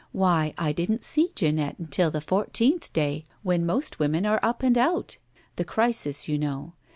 Why, I didn't see Jeanette until the fourteenth day, when most women are up and out. The crisis, you know.